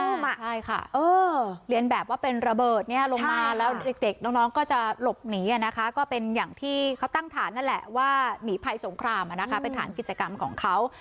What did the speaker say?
ใช่ค่ะเรียนแบบว่าเป็นระเบิดเนี่ยลงมาแล้วเด็กน้องก็จะหลบหนีนะคะก็เป็นอย่างที่เขาตั้งฐานนั่นแหละว่าหนีภัยสงครามเป็นฐานกิจกรรมของเขา